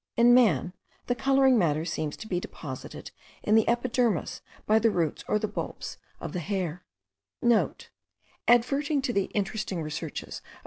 In man, the colouring matter seems to be deposited in the epidermis by the roots or the bulbs of the hair:* (* Adverting to the interesting researches of M.